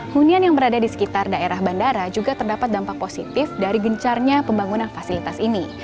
hunian yang berada di sekitar daerah bandara juga terdapat dampak positif dari gencarnya pembangunan fasilitas ini